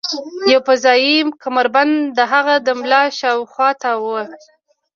یو فضايي کمربند د هغه د ملا شاوخوا تاو و